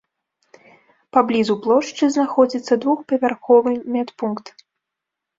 Паблізу плошчы знаходзіцца двухпавярховы медпункт.